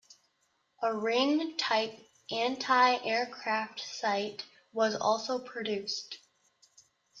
A ring-type anti-aircraft sight was also produced.